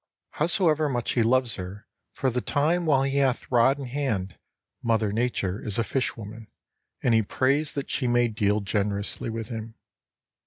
Howsoever much he loves her, for the time while he hath rod in hand Mother Nature is a fish woman, and he prays that she may deal generously with him.